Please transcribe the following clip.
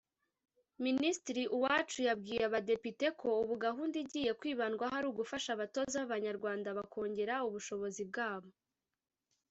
Minisitiri Uwacu yabwiye abadepite ko ubu gahunda igiye kwibandwaho ari ugufasha abatoza b’abanyarwanda bakongera ubushobozi bwabo